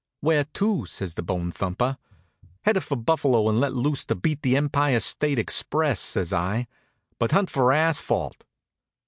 "Where to?" says the bone thumper. "Head her for Buffalo and let loose to beat the Empire State express," says I, "but hunt for asphalt."